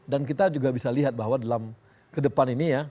dan kita juga bisa lihat bahwa dalam kedepan ini ya